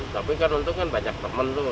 tapi kan untung kan banyak temen tuh